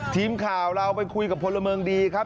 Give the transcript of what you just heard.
ทีมข่าวเราไปคุยกับพลเมืองดีครับ